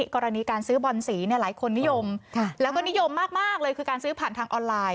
กรณีการซื้อบอนสีหลายคนนิยมแล้วก็นิยมมากเลยคือการซื้อผ่านทางออนไลน์